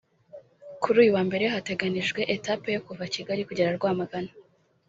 Kuri uyu wa mbere hateganijwe etape yo kuva Kigali kugera Rwamagana